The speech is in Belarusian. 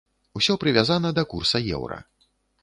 Усё прывязана да курса еўра.